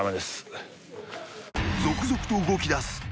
［続々と動きだす